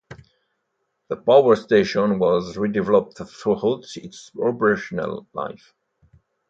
The power station was redeveloped throughout its operational life.